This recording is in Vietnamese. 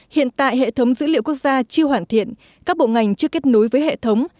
hiện tại hệ thống dữ liệu quốc gia chưa hoàn thiện các bộ ngành chưa kết nối với hệ thống